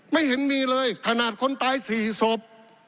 ไม่เห็นมีเลยขนาดคนตาย๔ศพ